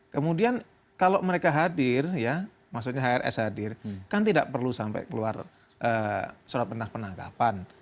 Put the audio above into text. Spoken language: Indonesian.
kemudian kalau mereka hadir ya maksudnya hrs hadir kan tidak perlu sampai keluar surat perintah penangkapan